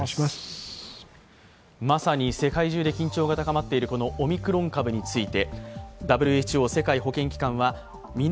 まさに世界中で緊張が高まっているオミクロン株について。